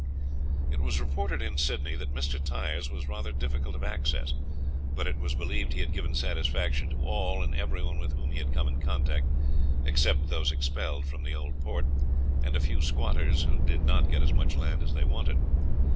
It was reported in Sydney that Mr. Tyers was rather difficult of access, but it was believed he had given satisfaction to all and everyone with whom he had come in contact, except those expelled from the Old Port, and a few squatters who did not get as much land as they wanted.